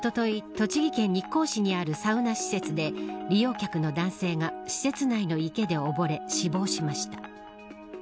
栃木県日光市にあるサウナ施設で利用客の男性が施設内の池でおぼれ死亡しました。